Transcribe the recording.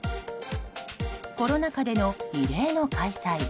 コロナ禍での異例の開催。